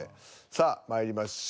さあまいりましょう。